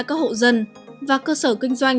các hộ dân và cơ sở kinh doanh